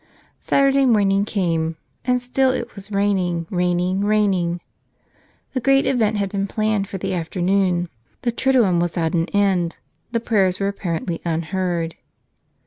Saturday morning came, and still it was raining, raining, raining. The great event had been planned for the afternoon. The triduum was at an end: the prayers were apparently unheard.